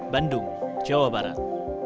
bandung jawa barat